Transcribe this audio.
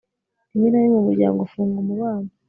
rimwe na rimwe umuryango ufunga umubano